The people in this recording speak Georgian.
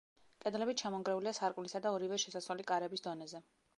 კედლები ჩამონგრეულია სარკმლისა და ორივე შესასვლელი კარების დონეზე.